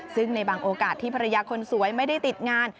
ซึ่งในบางโอกาสที่ภรรยาคนสวยไม่ได้ติดงาน